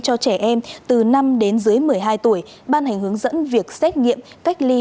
cho trẻ em từ năm đến dưới một mươi hai tuổi ban hành hướng dẫn việc xét nghiệm cách ly